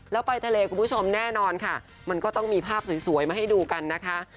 แล้วไปทะเลคุณผู้ชมแน่นอนค่ะมันก็ต้องมีภาพสวยมาให้ดูกันนะคะ